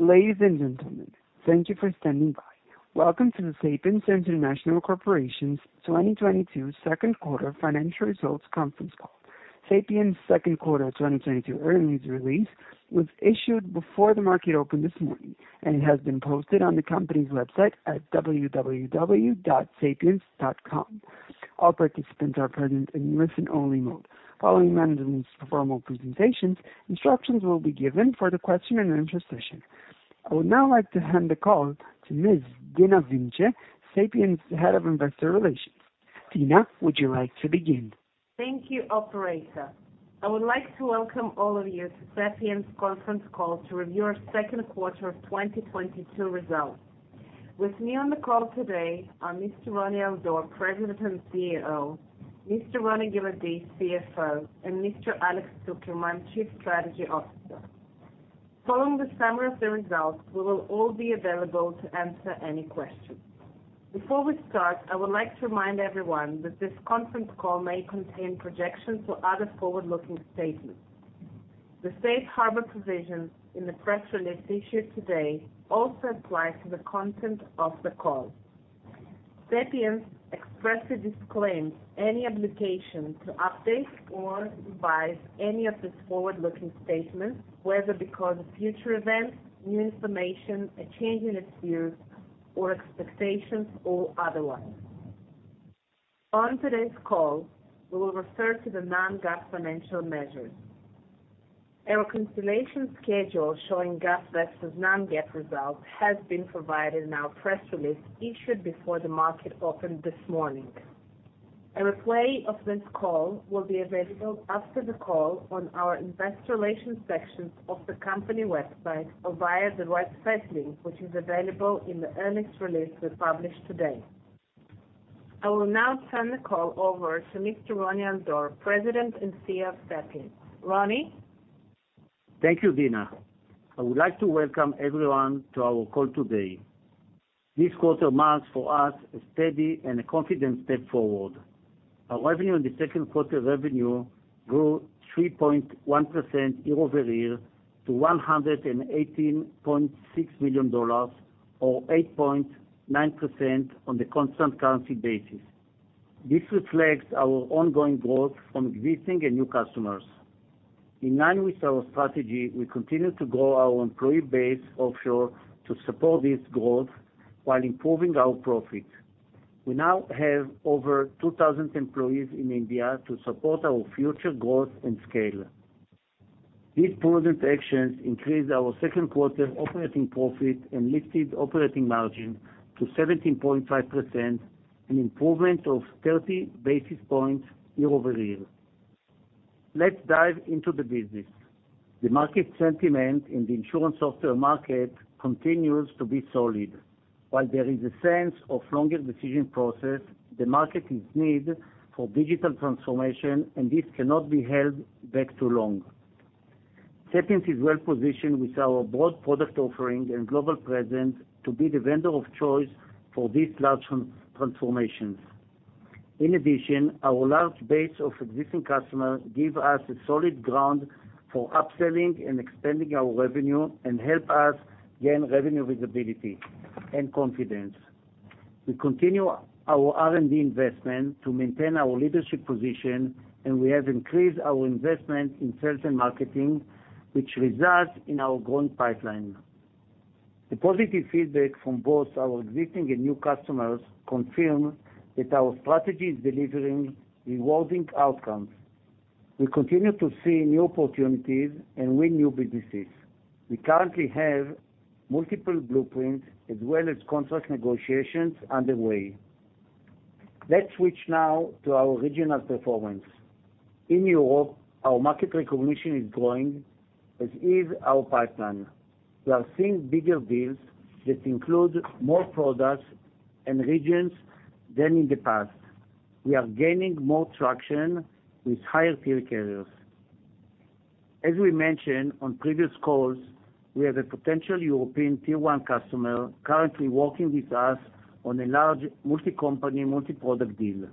Ladies and gentlemen, thank you for standing by. Welcome to the Sapiens International Corporation's 2022 Second Quarter Financial Results Conference Call. Sapiens second quarter 2022 earnings release was issued before the market opened this morning, and it has been posted on the company's website at www.sapiens.com. All participants are present in listen-only mode. Following management's formal presentations, instructions will be given for the question-and-answer session. I would now like to hand the call to Ms. Dina Vince, Sapiens Head of Investor Relations. Dina, would you like to begin? Thank you, operator. I would like to welcome all of you to Sapiens conference call to review our second quarter of 2022 results. With me on the call today are Mr. Roni Al-Dor, President and CEO, Mr. Roni Giladi, CFO, and Mr. Alex Zukerman, Chief Strategy Officer. Following the summary of the results, we will all be available to answer any questions. Before we start, I would like to remind everyone that this conference call may contain projections or other forward-looking statements. The safe harbor provisions in the press release issued today also apply to the content of the call. Sapiens expressly disclaims any obligation to update or revise any of these forward-looking statements, whether because of future events, new information, a change in its views or expectations or otherwise. On today's call, we will refer to the non-GAAP financial measures. A reconciliation schedule showing GAAP versus non-GAAP results has been provided in our press release issued before the market opened this morning. A replay of this call will be available after the call on our investor relations section of the company website or via the website link, which is available in the earnings release we published today. I will now turn the call over to Mr. Roni Al-Dor, President and CEO of Sapiens. Roni? Thank you, Dina. I would like to welcome everyone to our call today. This quarter marks for us a steady and a confident step forward. Our revenue in the second quarter grew 3.1% year-over-year to $118.6 million or 8.9% on the constant currency basis. This reflects our ongoing growth from existing and new customers. In line with our strategy, we continue to grow our employee base offshore to support this growth while improving our profit. We now have over 2,000 employees in India to support our future growth and scale. These prudent actions increased our second quarter operating profit and lifted operating margin to 17.5%, an improvement of 30 basis points year-over-year. Let's dive into the business. The market sentiment in the insurance software market continues to be solid. While there is a sense of longer decision process, the market's need for digital transformation, and this cannot be held back too long. Sapiens is well-positioned with our broad product offering and global presence to be the vendor of choice for these large transformations. In addition, our large base of existing customers give us a solid ground for upselling and expanding our revenue and help us gain revenue visibility and confidence. We continue our R&D investment to maintain our leadership position, and we have increased our investment in sales and marketing, which results in our growing pipeline. The positive feedback from both our existing and new customers confirm that our strategy is delivering rewarding outcomes. We continue to see new opportunities and win new businesses. We currently have multiple blueprints as well as contract negotiations underway. Let's switch now to our regional performance. In Europe, our market recognition is growing, as is our pipeline. We are seeing bigger deals that include more products and regions than in the past. We are gaining more traction with higher tier carriers. As we mentioned on previous calls, we have a potential European tier one customer currently working with us on a large multi-company, multi-product deal.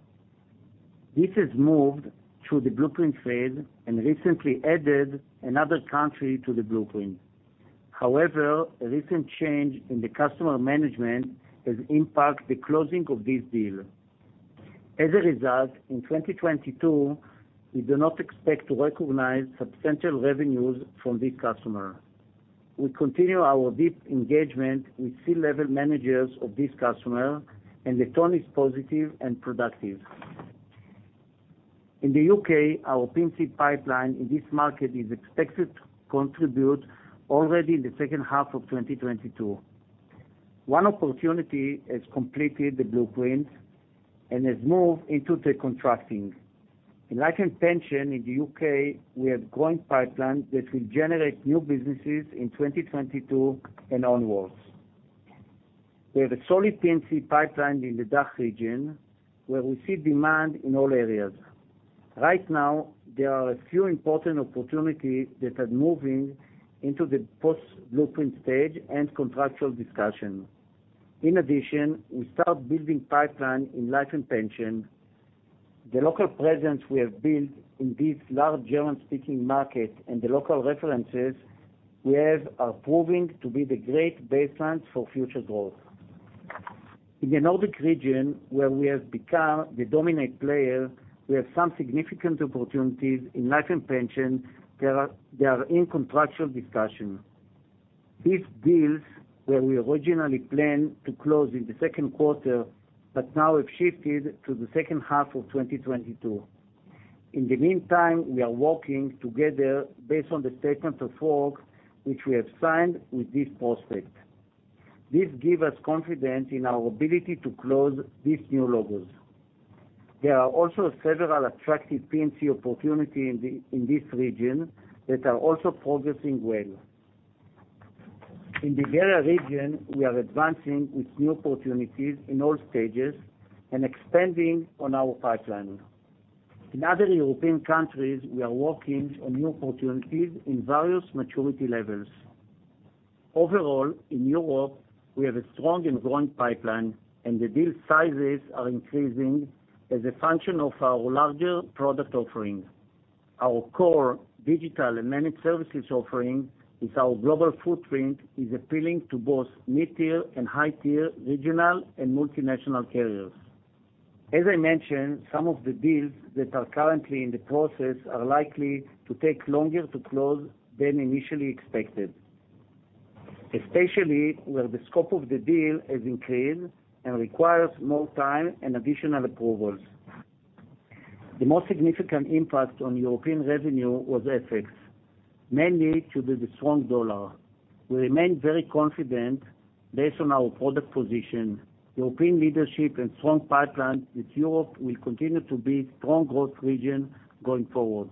This has moved through the blueprint phase and recently added another country to the blueprint. However, a recent change in the customer management has impacted the closing of this deal. As a result, in 2022, we do not expect to recognize substantial revenues from this customer. We continue our deep engagement with C-level managers of this customer, and the tone is positive and productive. In the U.K., our P&C pipeline in this market is expected to contribute already in the second half of 2022. One opportunity has completed the blueprint and has moved into the contracting. In life and pension in the U.K., we have growing pipeline that will generate new businesses in 2022 and onwards. We have a solid P&C pipeline in the DACH region, where we see demand in all areas. Right now, there are a few important opportunities that are moving into the post-blueprint stage and contractual discussion. In addition, we start building pipeline in life and pension. The local presence we have built in this large German-speaking market and the local references we have are proving to be the great baseline for future growth. In the Nordic region, where we have become the dominant player, we have some significant opportunities in life and pension that are in contractual discussion. These deals, where we originally planned to close in the second quarter, but now have shifted to the second half of 2022. In the meantime, we are working together based on the statements of work which we have signed with this prospect. This give us confidence in our ability to close these new logos. There are also several attractive P&C opportunity in this region that are also progressing well. In the EMEA region, we are advancing with new opportunities in all stages and expanding on our pipeline. In other European countries, we are working on new opportunities in various maturity levels. Overall, in Europe, we have a strong and growing pipeline, and the deal sizes are increasing as a function of our larger product offerings. Our core digital and Managed Services offering with our global footprint is appealing to both mid-tier and high-tier regional and multinational carriers. As I mentioned, some of the deals that are currently in the process are likely to take longer to close than initially expected, especially where the scope of the deal has increased and requires more time and additional approvals. The most significant impact on European revenue was FX, mainly due to the strong dollar. We remain very confident based on our product position, European leadership and strong pipeline. With Europe will continue to be strong growth region going forward.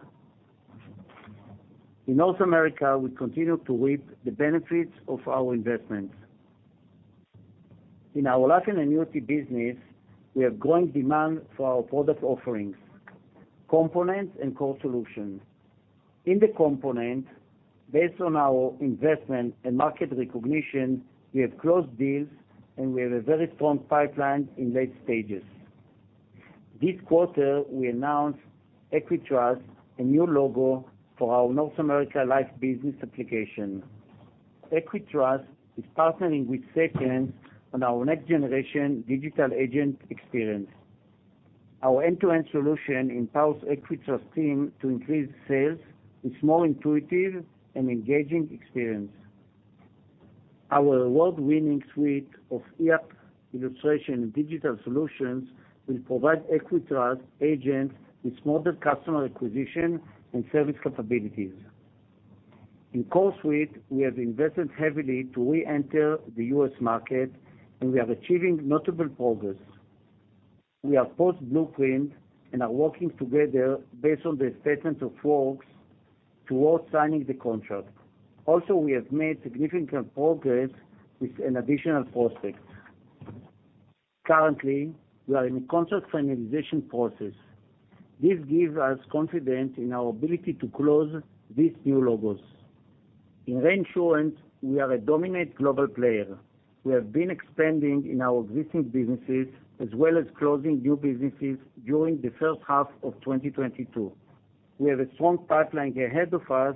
In North America, we continue to reap the benefits of our investments. In our Life & Annuity business, we have growing demand for our product offerings, components and core solutions. In the component, based on our investment and market recognition, we have closed deals, and we have a very strong pipeline in late stages. This quarter, we announced EquiTrust, a new logo for our North America Life & Annuity business application. EquiTrust is partnering with Sapiens on our next-generation digital agent experience. Our end-to-end solution empowers EquiTrust team to increase sales with more intuitive and engaging experience. Our award-winning suite of iA Illustration and digital solutions will provide EquiTrust agents with smarter customer acquisition and service capabilities. In CoreSuite, we have invested heavily to re-enter the U.S. market, and we are achieving notable progress. We are post-blueprinted and are working together based on the statements of work towards signing the contract. We have made significant progress with an additional prospect. Currently, we are in a contract finalization process. This gives us confidence in our ability to close these new logos. In reinsurance, we are a dominant global player. We have been expanding in our existing businesses as well as closing new businesses during the first half of 2022. We have a strong pipeline ahead of us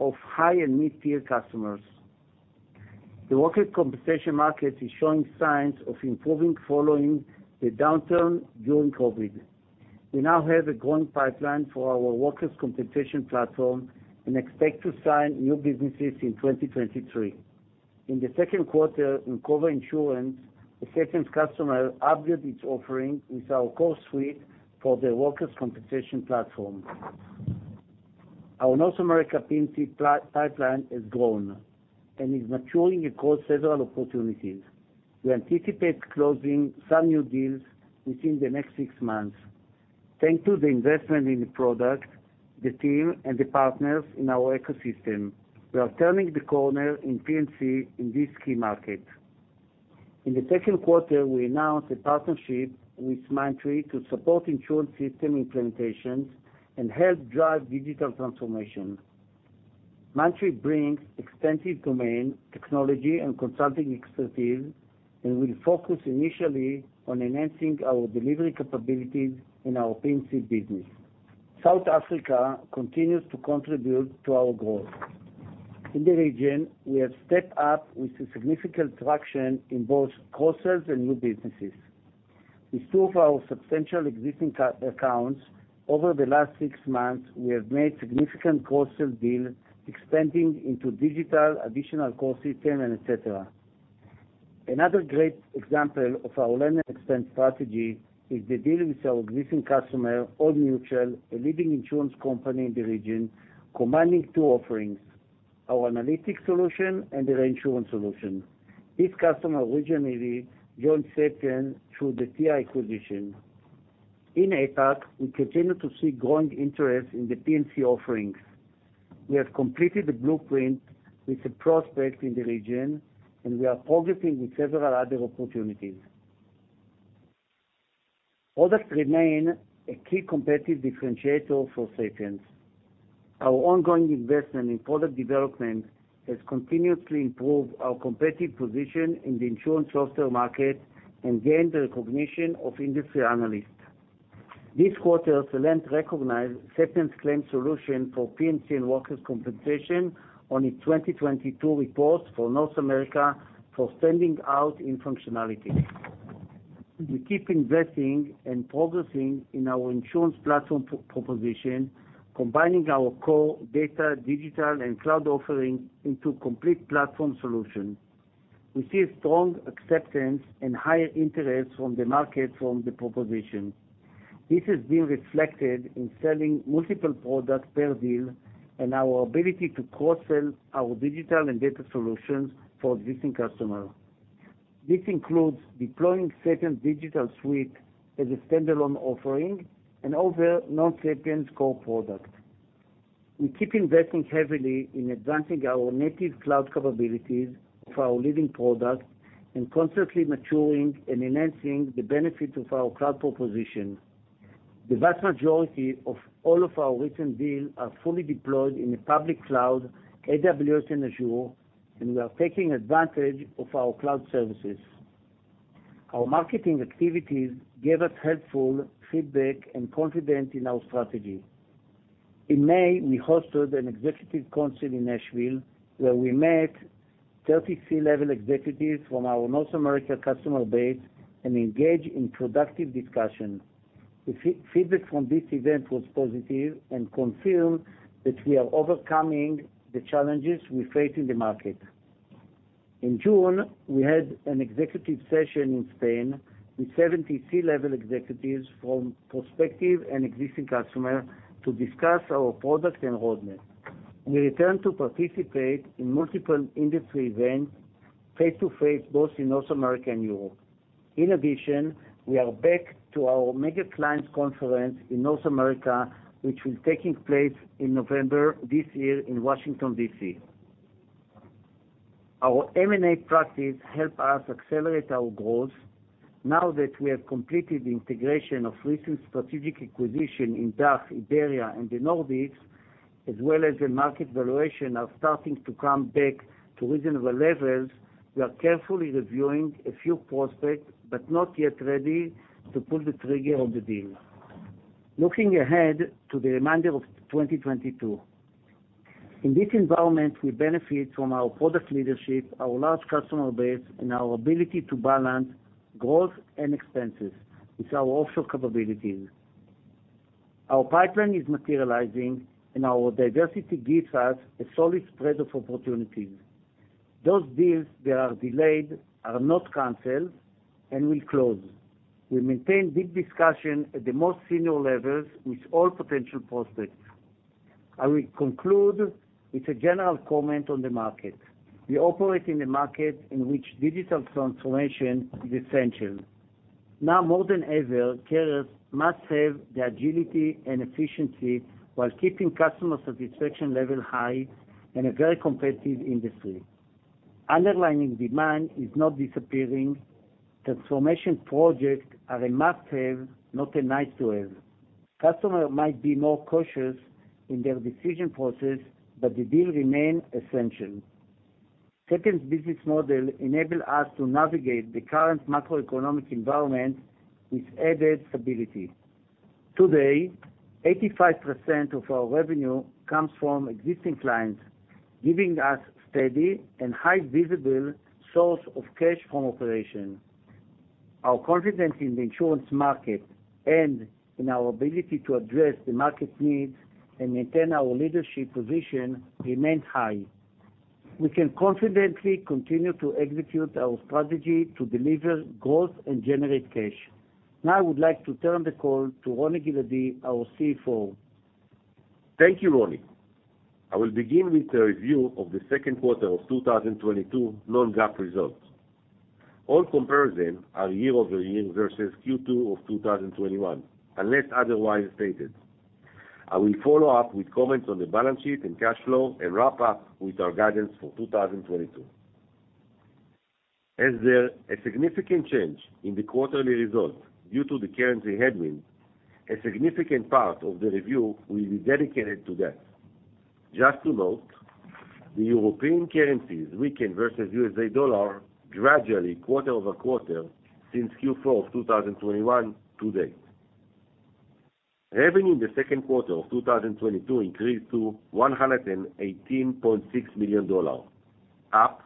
of high and mid-tier customers. The workers' compensation market is showing signs of improving following the downturn during COVID. We now have a growing pipeline for our workers' compensation platform and expect to sign new businesses in 2023. In the second quarter, in Coverys, a Sapiens customer upgraded its offering with our CoreSuite for their workers' compensation platform. Our North America P&C pipeline has grown and is maturing across several opportunities. We anticipate closing some new deals within the next six months. Thanks to the investment in the product, the team, and the partners in our ecosystem, we are turning the corner in P&C in this key market. In the second quarter, we announced a partnership with Mindtree to support insurance system implementations and help drive digital transformation. Mindtree brings extensive domain, technology, and consulting expertise and will focus initially on enhancing our delivery capabilities in our P&C business. South Africa continues to contribute to our growth. In the region, we have stepped up with significant traction in both cross-sells and new businesses. With two of our substantial existing customer accounts over the last six months, we have made significant cross-sell deal expanding into digital, additional core system, and et cetera. Another great example of our land and expand strategy is the deal with our existing customer, Old Mutual, a leading insurance company in the region, commanding two offerings, our analytics solution and the reinsurance solution. This customer originally joined Sapiens through the Tia acquisition. In APAC, we continue to see growing interest in the P&C offerings. We have completed the blueprint with a prospect in the region, and we are progressing with several other opportunities. Products remain a key competitive differentiator for Sapiens. Our ongoing investment in product development has continuously improved our competitive position in the insurance software market and gained the recognition of industry analysts. This quarter, Celent recognized Sapiens' claims solution for P&C and Workers' Compensation on its 2022 reports for North America for standing out in functionality. We keep investing and progressing in our insurance platform proposition, combining our core data, digital, and cloud offering into complete platform solution. We see a strong acceptance and higher interest from the market from the proposition. This has been reflected in selling multiple products per deal and our ability to cross-sell our digital and data solutions for existing customer. This includes deploying Sapiens' DigitalSuite as a standalone offering and other non-Sapiens core product. We keep investing heavily in advancing our native cloud capabilities for our leading product and constantly maturing and enhancing the benefits of our cloud proposition. The vast majority of all of our recent deals are fully deployed in the public cloud, AWS, and Azure, and we are taking advantage of our cloud services. Our marketing activities gave us helpful feedback and confidence in our strategy. In May, we hosted an executive council in Nashville, where we met 30 C-level executives from our North America customer base and engaged in productive discussions. The feedback from this event was positive and confirm that we are overcoming the challenges we face in the market. In June, we had an executive session in Spain with 70 C-level executives from prospective and existing customer to discuss our product and roadmap. We returned to participate in multiple industry events face to face, both in North America and Europe. In addition, we are back to our Sapiens Client Conference in North America, which is taking place in November this year in Washington, D.C. Our M&A practice help us accelerate our growth. Now that we have completed the integration of recent strategic acquisition in DACH, Iberia, and the Nordics, as well as the market valuation are starting to come back to reasonable levels, we are carefully reviewing a few prospects, but not yet ready to pull the trigger on the deal. Looking ahead to the remainder of 2022. In this environment, we benefit from our product leadership, our large customer base, and our ability to balance growth and expenses with our offshore capabilities. Our pipeline is materializing, and our diversity gives us a solid spread of opportunities. Those deals that are delayed are not canceled and will close. We maintain deep discussions at the most senior levels with all potential prospects. I will conclude with a general comment on the market. We operate in a market in which digital transformation is essential. Now more than ever, carriers must have the agility and efficiency while keeping customer satisfaction levels high in a very competitive industry. Underlying demand is not disappearing. Transformation projects are a must-have, not a nice-to-have. Customers might be more cautious in their decision process, but the deals remain essential. Sapiens' business model enables us to navigate the current macroeconomic environment with added stability. Today, 85% of our revenue comes from existing clients, giving us steady and highly visible source of cash from operations. Our confidence in the insurance market and in our ability to address the market needs and maintain our leadership position remains high. We can confidently continue to execute our strategy to deliver growth and generate cash. Now I would like to turn the call to Roni Giladi, our CFO. Thank you, Roni. I will begin with a review of the second quarter of 2022 non-GAAP results. All comparisons are year-over-year versus Q2 2021, unless otherwise stated. I will follow up with comments on the balance sheet and cash flow and wrap up with our guidance for 2022. As there is a significant change in the quarterly results due to the currency headwind, a significant part of the review will be dedicated to that. Just to note, the European currencies weakened versus the U.S. dollar gradually quarter-over-quarter since Q4 2021 to date. Revenue in the second quarter of 2022 increased to $118.6 million, up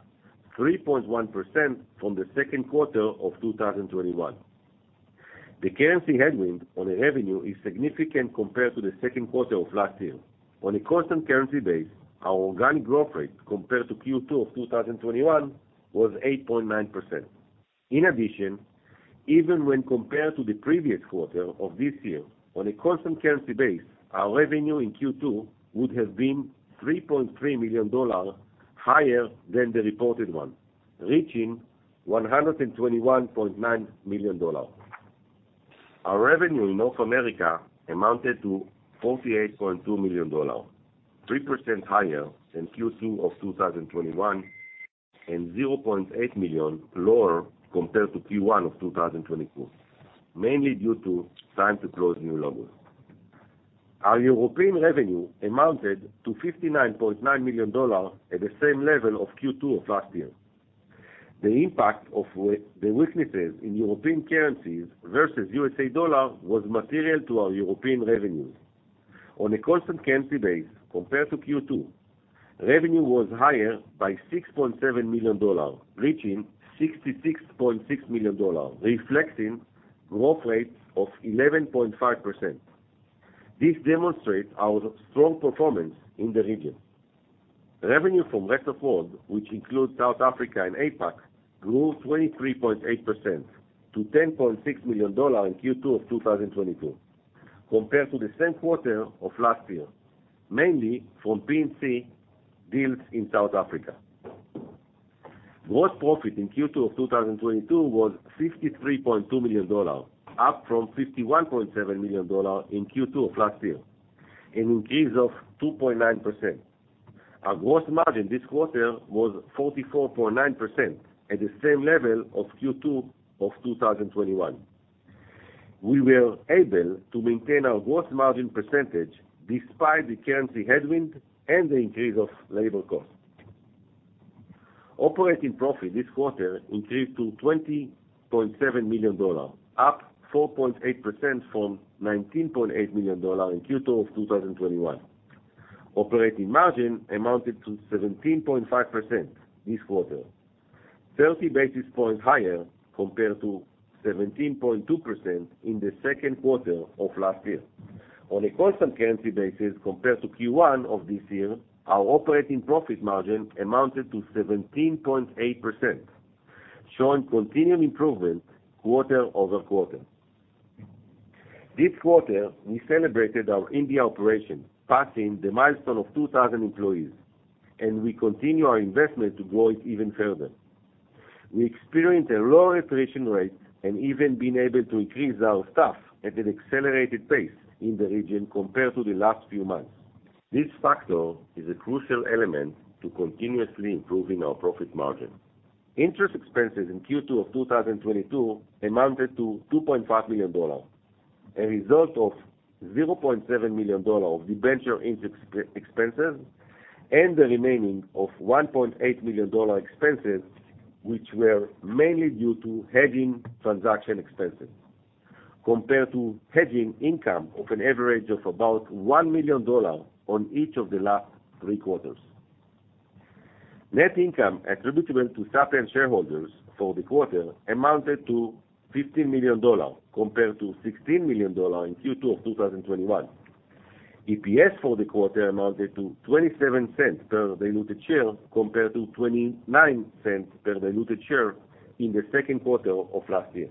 3.1% from the second quarter of 2021. The currency headwind on the revenue is significant compared to the second quarter of last year. On a constant currency base, our organic growth rate compared to Q2 of 2021 was 8.9%. In addition, even when compared to the previous quarter of this year, on a constant currency base, our revenue in Q2 would have been $3.3 million higher than the reported one, reaching $121.9 million. Our revenue in North America amounted to $48.2 million, 3% higher than Q2 of 2021 and $0.8 Million lower compared to Q1 of 2022, mainly due to time to close new logos. Our European revenue amounted to $59.9 million at the same level of Q2 of last year. The impact of the weaknesses in European currencies versus U.S. dollar was material to our European revenues. On a constant currency base compared to Q2, revenue was higher by $6.7 million, reaching $66.6 million, reflecting growth rate of 11.5%. This demonstrates our strong performance in the region. Revenue from rest of world, which includes South Africa and APAC, grew 23.8% to $10.6 million in Q2 of 2022 compared to the same quarter of last year, mainly from P&C deals in South Africa. Gross profit in Q2 of 2022 was $53.2 million, up from $51.7 million in Q2 of last year, an increase of 2.9%. Our gross margin this quarter was 44.9% at the same level of Q2 of 2021. We were able to maintain our gross margin percentage despite the currency headwind and the increase of labor cost. Operating profit this quarter increased to $20.7 million, up 4.8% from $19.8 million in Q2 of 2021. Operating margin amounted to 17.5% this quarter, 30 basis points higher compared to 17.2% in the second quarter of last year. On a constant currency basis compared to Q1 of this year, our operating profit margin amounted to 17.8%, showing continued improvement quarter over quarter. This quarter, we celebrated our India operation, passing the milestone of 2,000 employees, and we continue our investment to grow it even further. We experienced a lower attrition rate and even been able to increase our staff at an accelerated pace in the region compared to the last few months. This factor is a crucial element to continuously improving our profit margin. Interest expenses in Q2 of 2022 amounted to $2.5 million, a result of $0.7 million of debenture interest expenses, and the remaining of $1.8 million expenses, which were mainly due to hedging transaction expenses compared to hedging income of an average of about $1 million on each of the last three quarters. Net income attributable to Sapiens shareholders for the quarter amounted to $15 million compared to $16 million in Q2 of 2021. EPS for the quarter amounted to $0.27 per diluted share compared to $0.29 per diluted share in the second quarter of last year.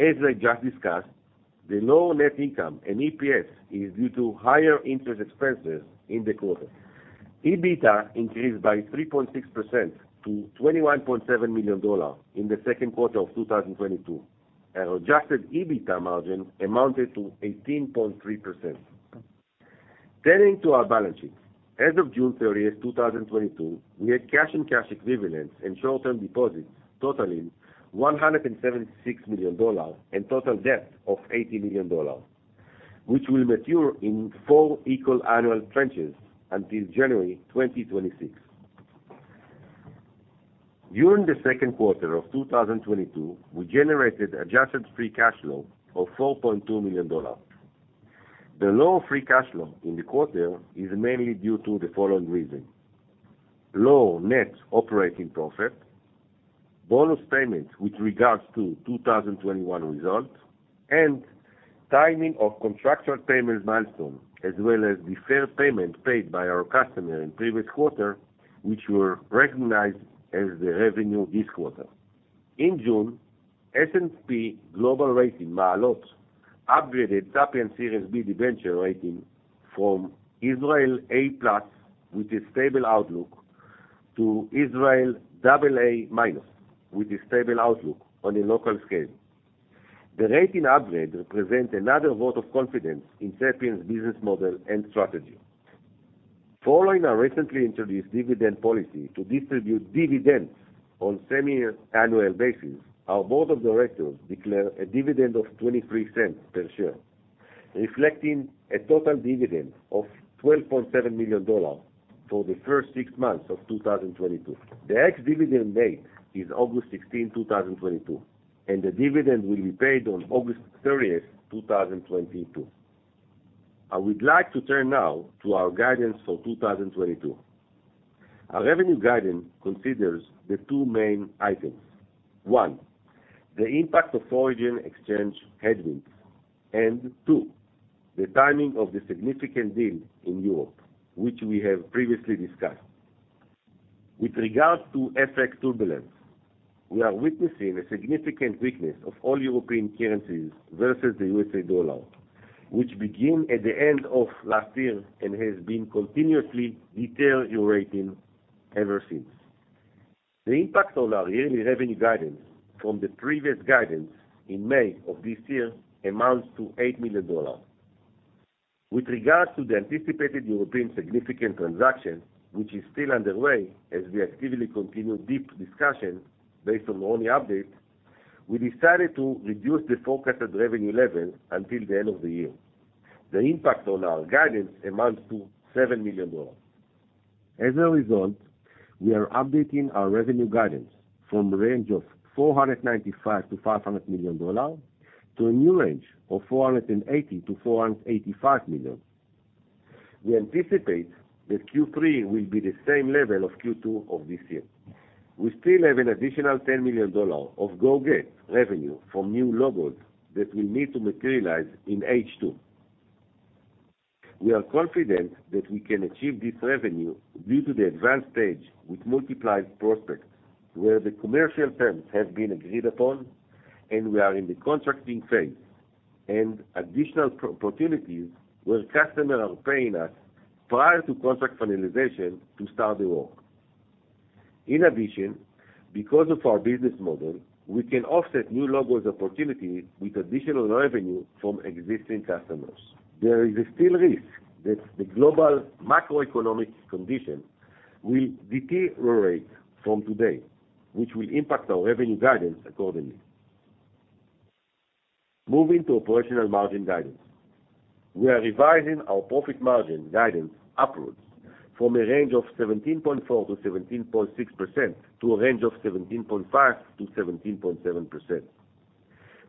As I just discussed, the lower net income and EPS is due to higher interest expenses in the quarter. EBITDA increased by 3.6% to $21.7 million in the second quarter of 2022, and adjusted EBITDA margin amounted to 18.3%. Turning to our balance sheet. As of June 30, 2022, we had cash and cash equivalents and short-term deposits totaling $176 million and total debt of $80 million, which will mature in four equal annual tranches until January 2026. During the second quarter of 2022, we generated adjusted free cash flow of $4.2 million. The low free cash flow in the quarter is mainly due to the following reason. Lower net operating profit, bonus payments with regard to 2021 results, and timing of contractual payments milestone, as well as the prepayment paid by our customer in previous quarter, which were recognized as the revenue this quarter. In June, S&P Global Ratings Maalot upgraded Sapiens' Series B Debentures rating from Israel A+ with a stable outlook to Israel AA- with a stable outlook on a local scale. The rating upgrade represent another vote of confidence in Sapiens' business model and strategy. Following our recently introduced dividend policy to distribute dividends on semi-annual basis, our board of directors declare a dividend of $0.23 per share, reflecting a total dividend of $12.7 million for the first six months of 2022. The ex-dividend date is August 16, 2022, and the dividend will be paid on August 30, 2022. I would like to turn now to our guidance for 2022. Our revenue guidance considers the two main items. One, the impact of foreign exchange headwinds, and two, the timing of the significant deal in Europe, which we have previously discussed. With regards to FX turbulence, we are witnessing a significant weakness of all European currencies versus the U.S. dollar, which begin at the end of last year and has been continuously deteriorating ever since. The impact on our yearly revenue guidance from the previous guidance in May of this year amounts to $8 million. With regards to the anticipated European significant transaction, which is still underway as we actively continue deep discussions based on Roni's update, we decided to reduce the forecasted revenue levels until the end of the year. The impact on our guidance amounts to $7 million. As a result, we are updating our revenue guidance from a range of $495 million-$500 million to a new range of $480 million-$485 million. We anticipate that Q3 will be the same level of Q2 of this year. We still have an additional $10 million of go-get revenue from new logos that will need to materialize in H2. We are confident that we can achieve this revenue due to the advanced stage with multiple prospects, where the commercial terms have been agreed upon, and we are in the contracting phase, and additional opportunities where customers are paying us prior to contract finalization to start the work. In addition, because of our business model, we can offset new logos opportunities with additional revenue from existing customers. There is still risk that the global macroeconomic condition will deteriorate from today, which will impact our revenue guidance accordingly. Moving to operating margin guidance. We are revising our profit margin guidance upwards from a range of 17.4%-17.6% to a range of 17.5%-17.7%.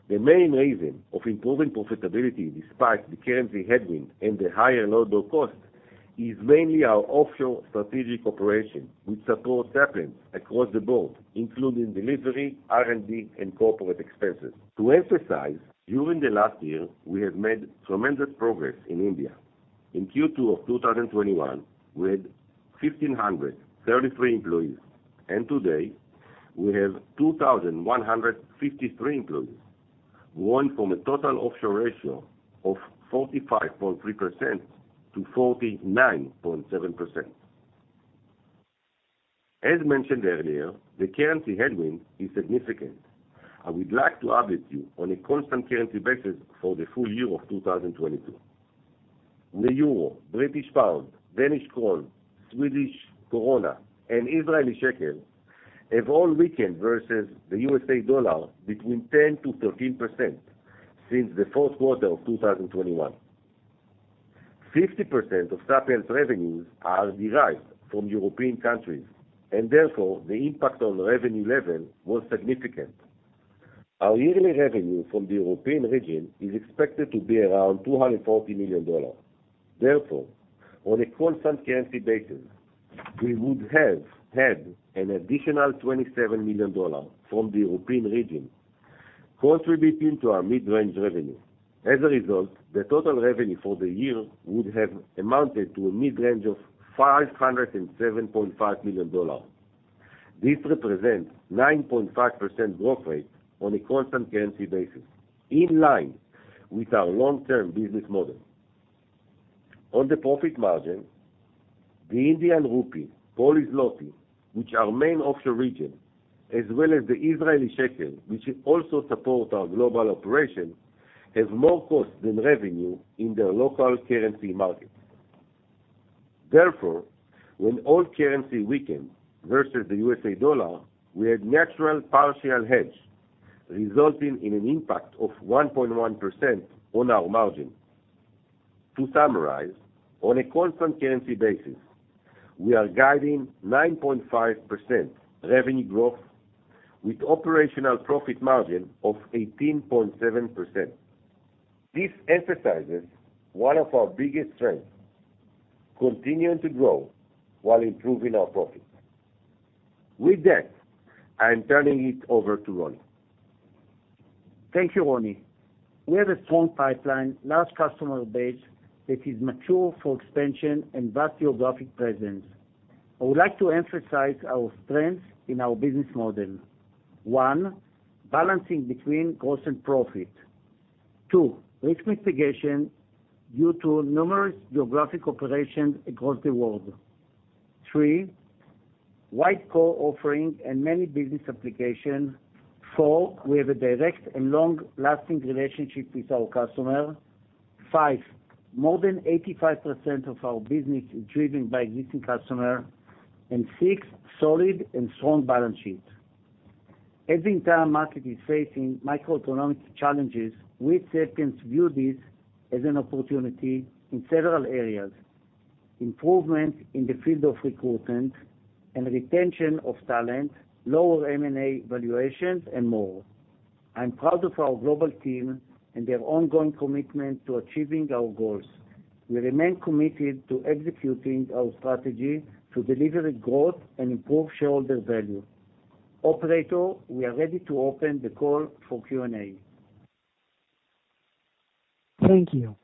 The main reason of improving profitability despite the currency headwind and the higher load of costs is mainly our offshore strategic operation, which supports Sapiens across the board, including delivery, R&D, and corporate expenses. To emphasize, during the last year, we have made tremendous progress in India. In Q2 of 2021, we had 1,533 employees, and today we have 2,153 employees, growing from a total offshore ratio of 45.3% to 49.7%. As mentioned earlier, the currency headwind is significant. I would like to update you on a constant currency basis for the full year of 2022. The euro, British pound, Danish krone, Swedish krona, and Israeli shekel have all weakened versus the U.S. dollar between 10% to 13% since the fourth quarter of 2021. 50% of Sapiens' revenues are derived from European countries, and therefore, the impact on the revenue level was significant. Our yearly revenue from the European region is expected to be around $240 million. Therefore, on a constant currency basis, we would have had an additional $27 million from the European region contributing to our mid-range revenue. As a result, the total revenue for the year would have amounted to a mid-range of $507.5 million. This represents 9.5% growth rate on a constant currency basis, in line with our long-term business model. On the profit margin, the Indian rupee, Polish zloty, which are main offshore region, as well as the Israeli shekel, which also support our global operation, have more costs than revenue in their local currency markets. Therefore, when all currencies weakened versus the U.S. dollar, we had natural partial hedge, resulting in an impact of 1.1% on our margin. To summarize, on a constant currency basis, we are guiding 9.5% revenue growth with operational profit margin of 18.7%. This emphasizes one of our biggest strengths, continuing to grow while improving our profits. With that, I'm turning it over to Roni Giladi. Thank you, Roni. We have a strong pipeline, large customer base that is mature for expansion and vast geographic presence. I would like to emphasize our strengths in our business model. One, balancing between growth and profit. Two, risk mitigation due to numerous geographic operations across the world. Three, wide core offering and many business applications. Four, we have a direct and long-lasting relationship with our customer. Five, more than 85% of our business is driven by existing customer. Six, solid and strong balance sheet. As the entire market is facing macroeconomic challenges, we at Sapiens view this as an opportunity in several areas, improvement in the field of recruitment and retention of talent, lower M&A valuations, and more. I'm proud of our global team and their ongoing commitment to achieving our goals. We remain committed to executing our strategy to deliver growth and improve shareholder value. Operator, we are ready to open the call for Q&A. Thank you.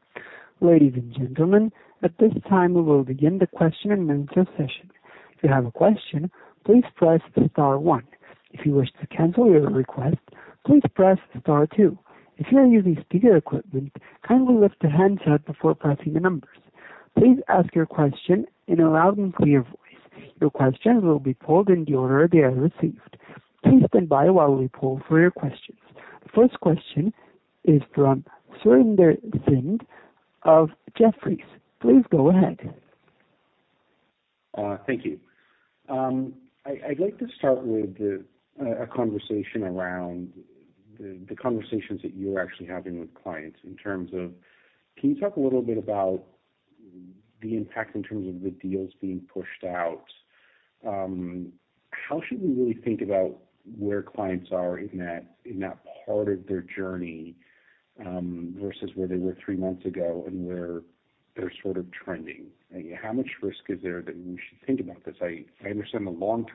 Ladies and gentlemen, at this time, we will begin the question-and-answer session. If you have a question, please press star one. If you wish to cancel your request, please press star two. If you are using speaker equipment, kindly lift the handset before pressing the number. Please ask your question in a loud and clear voice. Your questions will be pulled in the order they are received. Please stand by while we pull for your questions. First question is from Sudhir Singh of Jefferies. Please go ahead. Thank you. I'd like to start with a conversation around the conversations that you're actually having with clients. Can you talk a little bit about the impact in terms of the deals being pushed out? How should we really think about where clients are in that part of their journey versus where they were three months ago and where they're sort of trending? How much risk is there that we should think about this? I understand the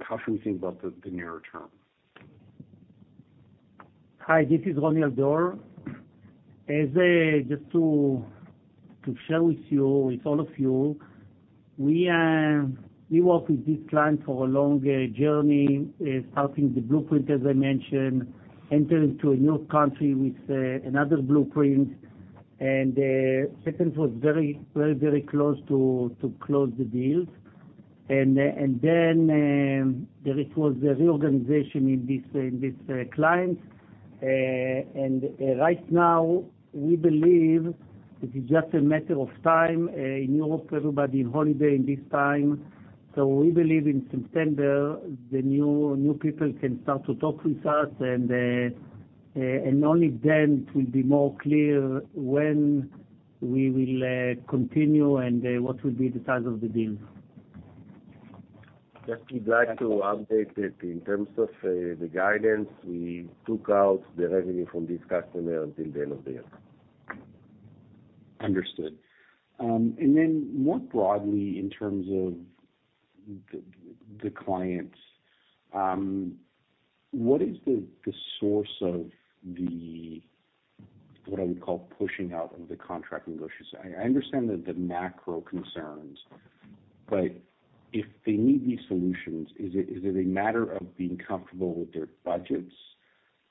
long-term demand is still going to be there, but how should we think about the nearer term? Hi, this is Roni Al-Dor. Just to share with you, with all of you, we work with this client for a long journey, starting the blueprint, as I mentioned, entering into a new country with another blueprint, and Sapiens was very close to close the deals. Then there it was the reorganization in this client. Right now, we believe it is just a matter of time, in Europe, everybody holiday at this time. We believe in September, the new people can start to talk with us and only then it will be more clear when we will continue and what will be the size of the deal. Just we'd like to update that in terms of the guidance we took out the revenue from this customer until the end of the year. Understood. Then more broadly, in terms of the clients, what is the source of what I would call pushing out of the contract negotiations? I understand the macro concerns, but if they need these solutions, is it a matter of being comfortable with their budgets?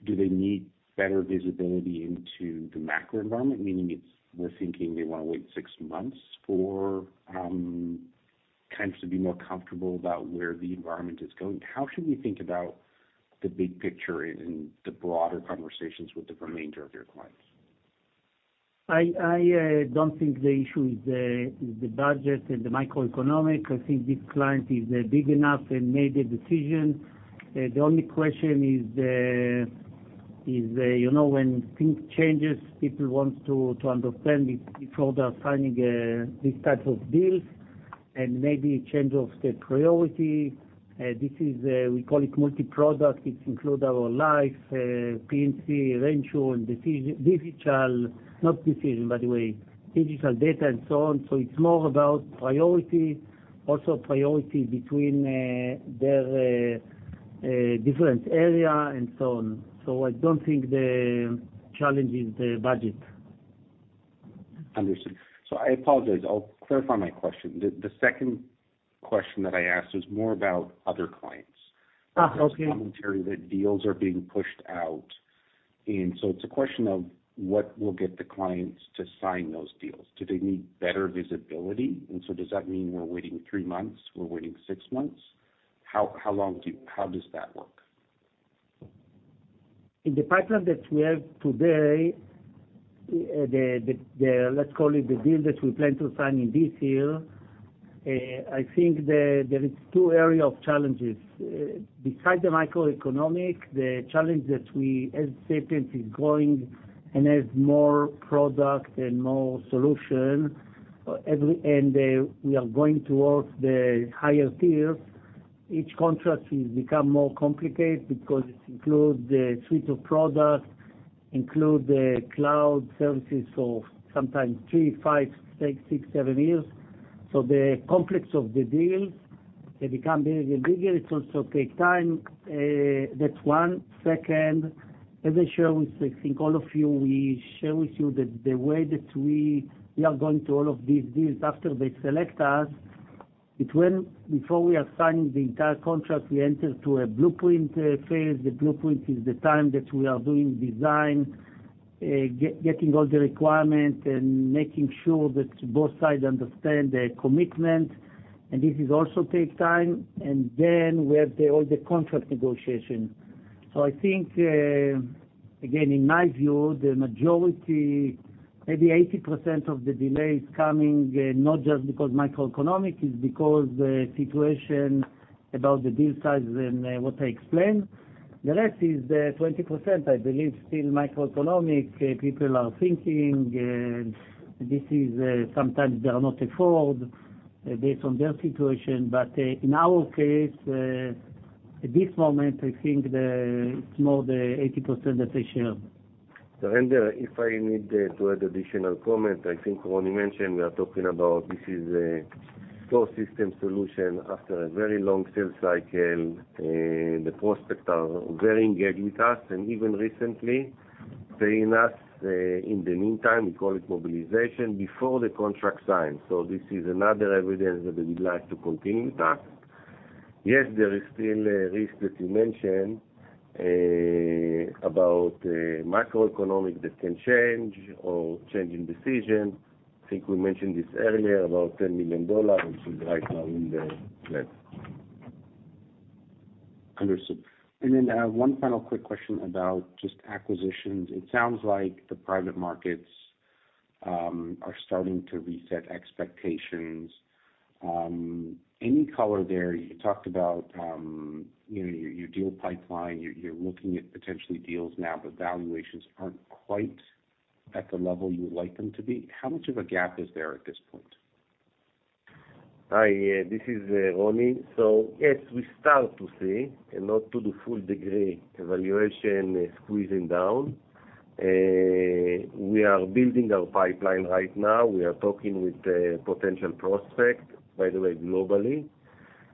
Do they need better visibility into the macro environment? Meaning, we're thinking they wanna wait six months for clients to be more comfortable about where the environment is going. How should we think about the big picture in the broader conversations with the remainder of your clients? I don't think the issue is the budget and the macroeconomic. I think this client is big enough and made a decision. The only question is, you know, when thing changes, people want to understand before they're signing this type of deals and maybe change of the priority. This is, we call it multi-product. It include our life, P&C, reinsurance and digital, not decision by the way, digital data and so on. It's more about priority, also priority between their different area and so on. I don't think the challenge is the budget. Understood. I apologize. I'll clarify my question. The second question that I asked was more about other clients. Okay. There's commentary that deals are being pushed out, and so it's a question of what will get the clients to sign those deals. Do they need better visibility? Does that mean we're waiting three months? We're waiting six months? How does that work? In the pipeline that we have today, the deal that we plan to sign in this year, I think there is two area of challenges. Besides the macroeconomic, the challenge that we as Sapiens is growing and as more product and more solution, we are going towards the higher tiers. Each contract will become more complicated because it includes a suite of products, include the cloud services for sometimes three, five, six, seven years. So the conflicts of the deals, they become bigger and bigger. It also take time. That's one. Second, as I share with I think all of you, we share with you that the way that we are going through all of these deals after they select us, between before we are signing the entire contract, we enter to a blueprint phase. The blueprint is the time that we are doing design, getting all the requirements and making sure that both sides understand the commitment, and this is also take time. Then we have the all the contract negotiation. I think, again, in my view, the majority, maybe 80% of the delay is coming, not just because macroeconomic, it's because the situation about the deal size and what I explained. The rest is 20%, I believe still microeconomic. People are thinking this is, sometimes they cannot afford based on their situation. in our case, at this moment, I think it's more the 80% that I share. Sudhir, if I need to add additional comment, I think Roni mentioned we are talking about this is a core system solution after a very long sales cycle. The prospects are very engaged with us, and even recently paying us in the meantime, we call it mobilization, before the contract signs. This is another evidence that they would like to continue with us. Yes, there is still a risk that you mentioned about macroeconomic that can change or change in decision. I think we mentioned this earlier, about $10 million, which is right now in the red. Understood. One final quick question about just acquisitions. It sounds like the private markets are starting to reset expectations. Any color there? You talked about your deal pipeline. You're looking at potentially deals now, but valuations aren't quite at the level you would like them to be. How much of a gap is there at this point? Hi, this is Roni. Yes, we start to see, and not to the full degree, valuation squeezing down. We are building our pipeline right now. We are talking with the potential prospect, by the way, globally.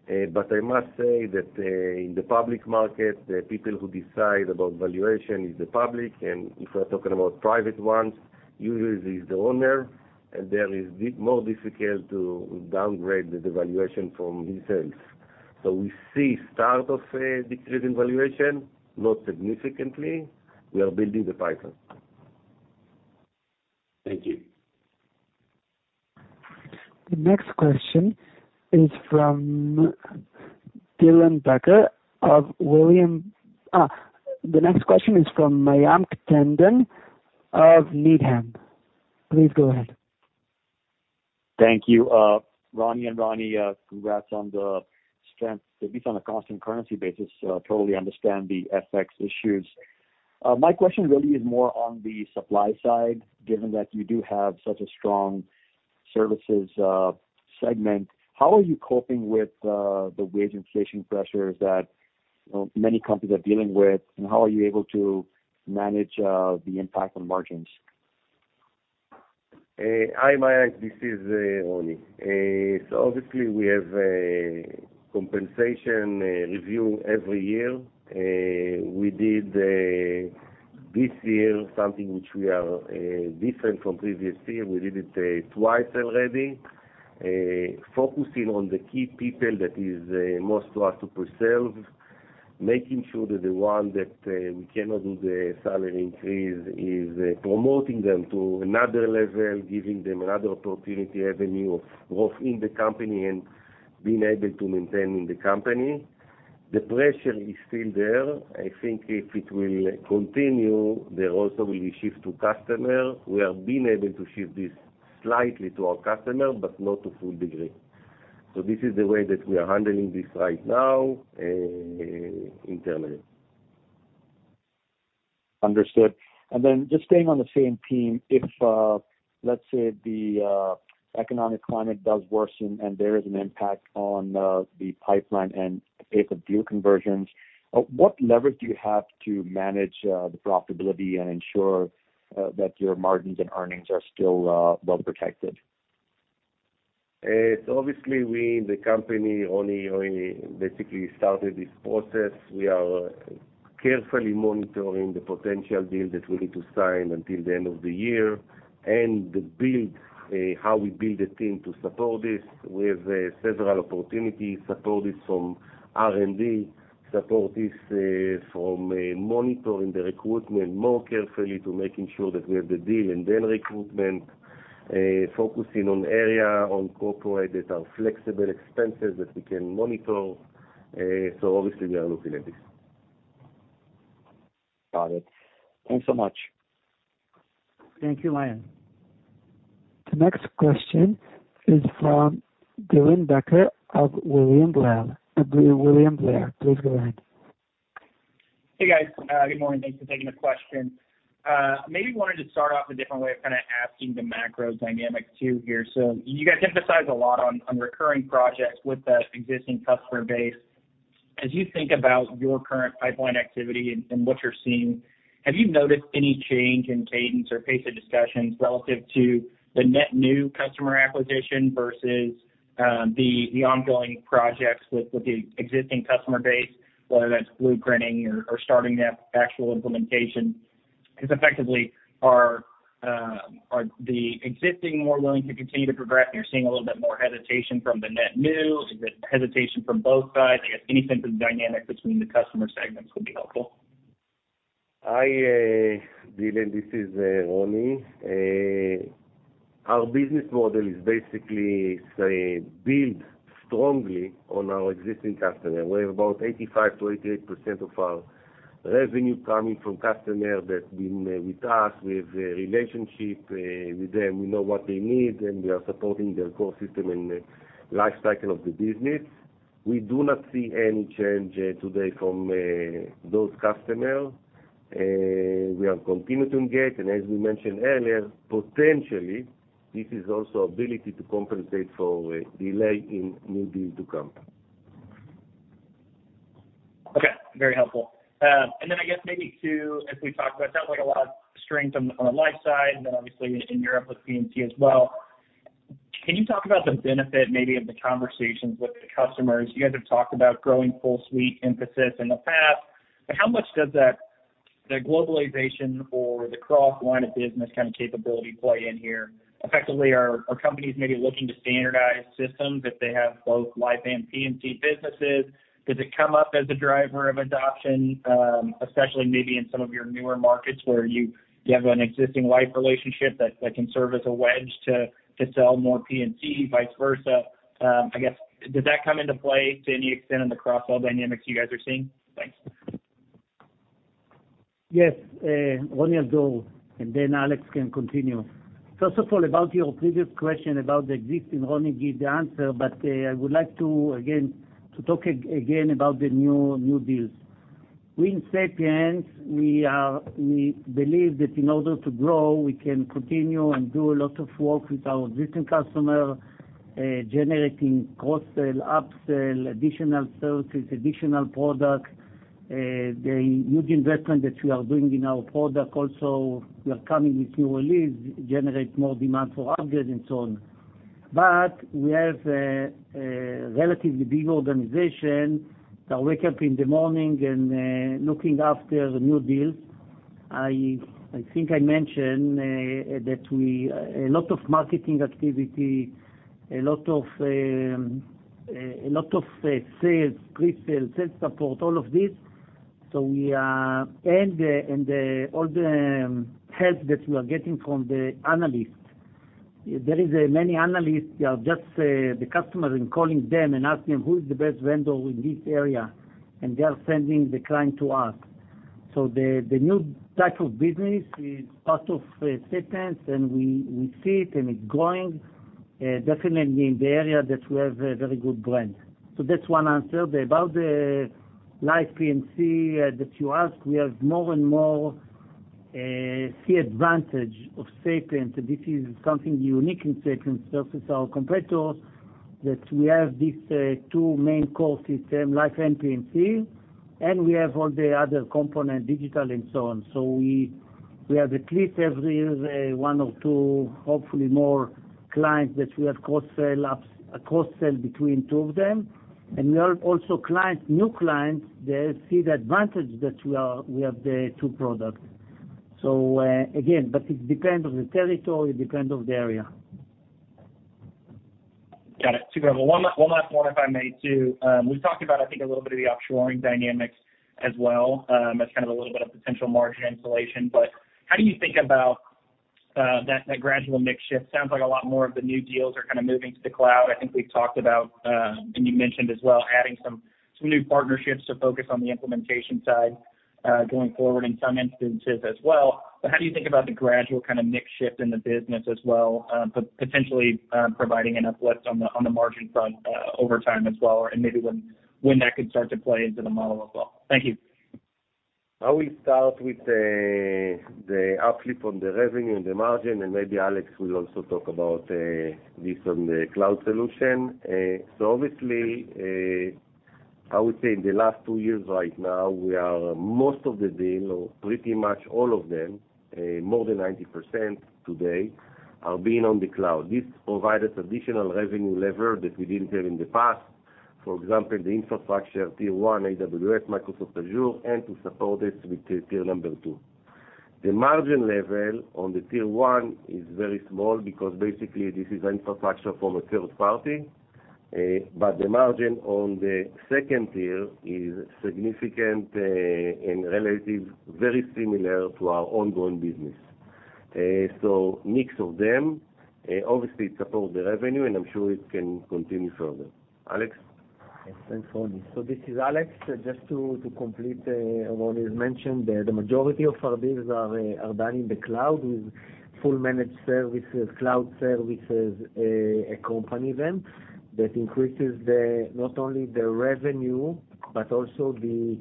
I must say that in the public market, the people who decide about valuation is the public, and if we're talking about private ones, usually is the owner, and it's more difficult to downgrade the valuation from himself. We see start of a decreasing valuation, not significantly. We are building the pipeline. Thank you. The next question is from Mayank Tandon of Needham. Please go ahead. Thank you. Roni and Roni, congrats on the strength, at least on a constant currency basis. Totally understand the FX issues. My question really is more on the supply side, given that you do have such a strong services segment. How are you coping with the wage inflation pressures that many companies are dealing with, and how are you able to manage the impact on margins? Hi Mayank, this is Roni. Obviously we have a compensation review every year. We did this year something which we are different from previous year. We did it twice already, focusing on the key people that is most to us to preserve, making sure that the one that we cannot do the salary increase, is promoting them to another level, giving them another opportunity, avenue of growth in the company and being able to maintain in the company. The pressure is still there. I think if it will continue, there also will be shift to customer. We have been able to shift this slightly to our customer, but not to full degree. This is the way that we are handling this right now, internally. Understood. Then just staying on the same theme, if let's say the economic climate does worsen and there is an impact on the pipeline and the pipe conversions, what leverage do you have to manage the profitability and ensure that your margins and earnings are still well protected? Obviously we in the company, Roni basically started this process. We are carefully monitoring the potential deal that we need to sign until the end of the year, and how we build the team to support this. We have several opportunities, support this from R&D, support this from monitoring the recruitment more carefully to making sure that we have the deal and then recruitment focusing on area on corporate that are flexible expenses that we can monitor. Obviously we are looking at this. Got it. Thanks so much. Thank you, Mayank. The next question is from Dylan Becker of William Blair, William Blair. Please go ahead. Hey, guys. Good morning. Thanks for taking the question. Maybe wanted to start off a different way of kind of asking the macro dynamic too here. So you guys emphasize a lot on recurring projects with the existing customer base. As you think about your current pipeline activity and what you're seeing, have you noticed any change in cadence or pace of discussions relative to the net new customer acquisition versus the ongoing projects with the existing customer base, whether that's blueprinting or starting that actual implementation? Because effectively, are the existing more willing to continue to progress, and you're seeing a little bit more hesitation from the net new? Is it hesitation from both sides? I guess any sense of dynamic between the customer segments would be helpful. Hi, Dylan, this is Roni. Our business model is basically built strongly on our existing customer. We have about 85%-88% of our revenue coming from customer that's been with us. We have a relationship with them. We know what they need, and we are supporting their core system and the life cycle of the business. We do not see any change today from those customer. We are continuing to engage, and as we mentioned earlier, potentially this is also ability to compensate for delay in new deal to come. Okay, very helpful. And then I guess maybe too, as we talked about, it sounds like a lot of strength on the life side, and then obviously in Europe with BNP as well. Can you talk about the benefit maybe of the conversations with the customers? You guys have talked about growing full suite emphasis in the past, but how much does the globalization or the cross line of business kind of capability play in here? Effectively, are companies maybe looking to standardize systems if they have both life and P&C businesses? Does it come up as a driver of adoption, especially maybe in some of your newer markets where you have an existing life relationship that can serve as a wedge to sell more P&C vice versa? I guess, does that come into play to any extent in the cross-sell dynamics you guys are seeing? Thanks. Yes, Roni will go, and then Alex can continue. First of all, about your previous question about the existing, Roni gave the answer, but I would like to again talk about the new deals. We in Sapiens, we believe that in order to grow, we can continue and do a lot of work with our existing customer, generating cross-sell, up-sell, additional services, additional product. The huge investment that we are doing in our product also, we are coming with new release, generate more demand for upgrade and so on. We have a relatively big organization that wake up in the morning and looking after the new deals. I think I mentioned that we have a lot of marketing activity, a lot of sales, pre-sales, sales support, all of this. All the help that we are getting from the analysts. There is many analysts that just the customers are calling them and asking them who is the best vendor in this area, and they are sending the client to us. The new type of business is part of Sapiens, and we see it, and it's growing definitely in the area that we have a very good brand. That's one answer. About the Life & P&C that you ask, we have more and more see the advantage of Sapiens. This is something unique in Sapiens versus our competitors, that we have these two main core system, life and P&C, and we have all the other component, digital and so on. We have at least every year one or two, hopefully more clients that we have cross-sell ups, a cross-sell between two of them. We have also clients, new clients, they see the advantage that we have the two products. Again, but it depends on the territory, it depends on the area. Got it. Super. One last one, if I may, too. We've talked about, I think, a little bit of the offshoring dynamics as well, as kind of a little bit of potential margin insulation. How do you think about that gradual mix shift? Sounds like a lot more of the new deals are kind of moving to the cloud. I think we've talked about, and you mentioned as well adding some new partnerships to focus on the implementation side, going forward in some instances as well. How do you think about the gradual kind of mix shift in the business as well, potentially providing an uplift on the margin front, over time as well, and maybe when that could start to play into the model as well? Thank you. I will start with the uplift on the revenue and the margin, and maybe Alex will also talk about this on the cloud solution. Obviously, I would say in the last two years right now, we are most of the deals or pretty much all of them, more than 90% today are being on the cloud. This provided additional revenue lever that we didn't have in the past. For example, the infrastructure tier one, AWS, Microsoft Azure, and to support this with tier number two. The margin level on the tier one is very small because basically this is infrastructure from a third party. The margin on the second tier is significant, and relatively very similar to our ongoing business. Mix of them obviously it supports the revenue, and I'm sure it can continue further. Alex? Yes. Thanks, Roni. This is Alex. Just to complete what is mentioned, the majority of our deals are done in the cloud with full managed services, cloud services accompany them. That increases not only the revenue, but also the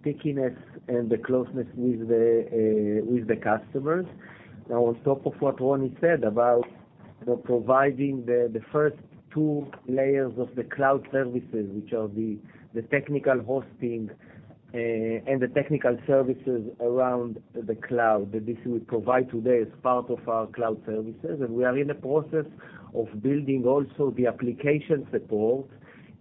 stickiness and the closeness with the customers. Now, on top of what Roni said about providing the first two layers of the cloud services, which are the technical hosting and the technical services around the cloud, that this we provide today as part of our cloud services. We are in the process of building also the application support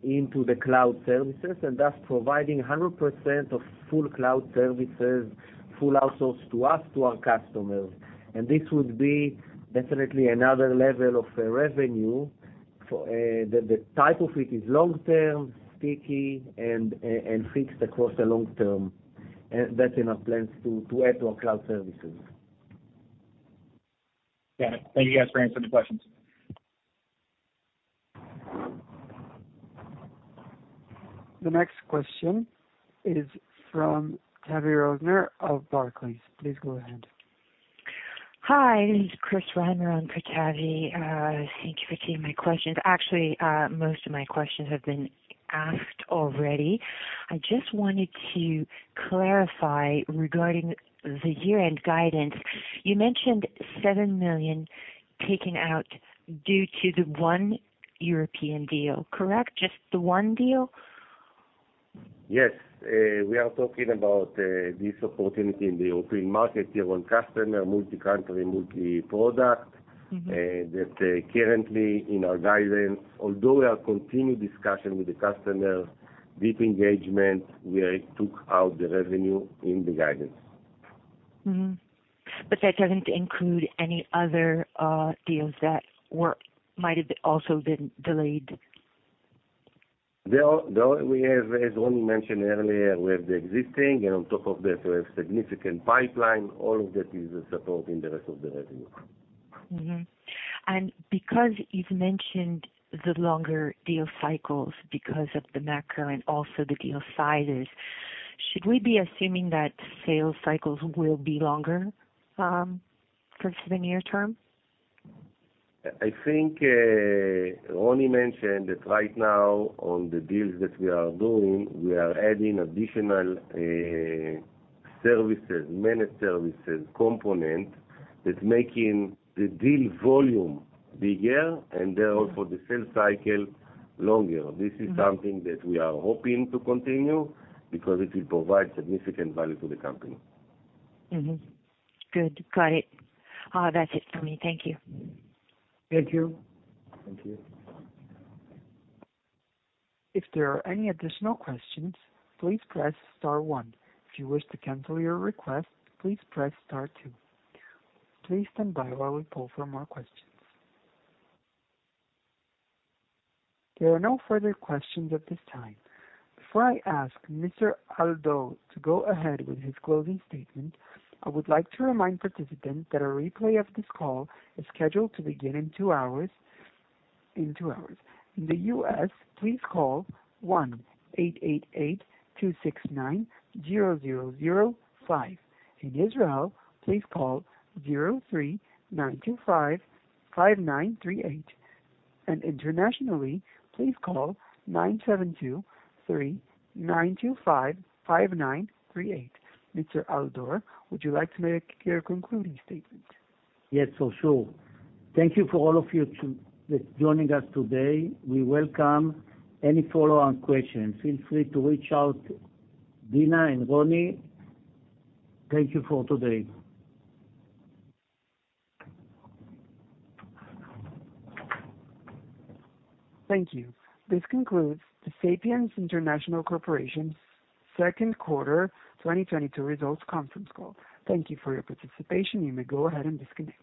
into the cloud services, and thus providing 100% of full cloud services, full outsource to us, to our customers. This would be definitely another level of revenue for the type of it is long-term, sticky and fixed across the long term. That's in our plans to add to our cloud services. Got it. Thank you guys for answering the questions. The next question is from Tavy Rosner of Barclays. Please go ahead. Hi, this is Chris Reimer on for Tavy. Thank you for taking my questions. Actually, most of my questions have been asked already. I just wanted to clarify regarding the year-end guidance. You mentioned $7 million taken out due to the one European deal, correct? Just the one deal? Yes. We are talking about this opportunity in the European market. Tier one customer, multi-country, multi-product. Mm-hmm. Currently, in our guidance, although we are continuing discussion with the customer, deep engagement, we took out the revenue in the guidance. Mm-hmm. That doesn't include any other deals that might have also been delayed. We have, as Roni mentioned earlier, we have the existing, and on top of that, we have significant pipeline. All of that is supporting the rest of the revenue. Mm-hmm. Because you've mentioned the longer deal cycles because of the macro and also the deal sizes, should we be assuming that sales cycles will be longer, for the near term? I think, Roni mentioned that right now on the deals that we are doing, we are adding additional, services, managed services component that's making the deal volume bigger and therefore the sales cycle longer. This is something that we are hoping to continue because it will provide significant value to the company. Good. Got it. That's it for me. Thank you. Thank you. Thank you. If there are any additional questions, please press star one. If you wish to cancel your request, please press star two. Please stand by while we poll for more questions. There are no further questions at this time. Before I ask Mr. Al-Dor to go ahead with his closing statement, I would like to remind participants that a replay of this call is scheduled to begin in two hours. In the US, please call one eight eight eight two six nine zero zero zero five. In Israel, please call zero three nine two five five nine three eight. Internationally, please call nine seven two three nine two five five nine three eight. Mr. Al-Dor, would you like to make your concluding statement? Yes, for sure. Thank you to all of you for joining us today. We welcome any follow-on questions. Feel free to reach out to Dina and Roni. Thank you for today. Thank you. This concludes the Sapiens International Corporation's second quarter 2022 results conference call. Thank you for your participation. You may go ahead and disconnect.